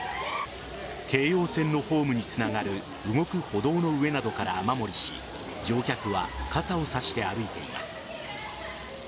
京葉線のホームにつながる動く歩道の上などから雨漏りし乗客は傘を差して歩いています。